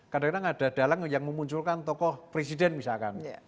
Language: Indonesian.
kadang kadang ada dalang yang memunculkan tokoh presiden misalkan